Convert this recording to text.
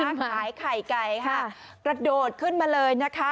พ่อค้าขายไข่ไก่กระโดดขึ้นมาเลย